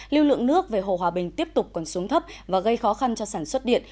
lưu lượng nước về hồ hòa bình tiếp tục còn xuống thấp và gây khó khăn cho sản xuất điện